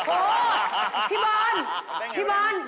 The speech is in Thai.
พี่บานพี่บาน